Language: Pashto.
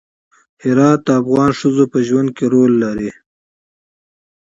هرات د افغان ښځو په ژوند کې رول لري.